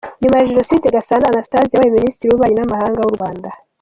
Nyuma ya Jenoside Gasana Anastase yabaye Minisitiri w’ububanyi n’amahanga w’u Rwanda.